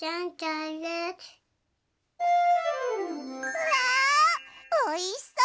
うわおいしそう！